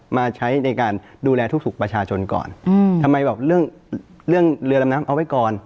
มาใช้ในการดูแลทุกสุขประชาชนก่อนทำไมแบบเรือดำน้ำเอาไว้ก่อน